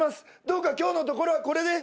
どうか今日のところはこれで。